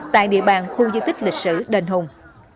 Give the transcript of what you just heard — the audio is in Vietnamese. tại địa bàn khu di tích lịch sử đền hùng